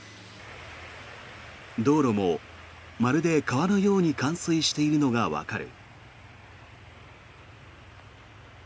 道路もまるで川のように冠水しているのがわかる。